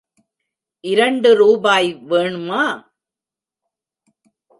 இரண்டு ரூபாய் வேனுமா?